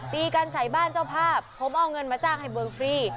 ตีกันใส่บ้านเจ้าภาพผมเอาเงินมาจ้างให้เบิ้งฟรี